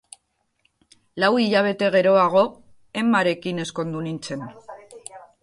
Lau hilabete geroago Emmarekin ezkondu nintzen.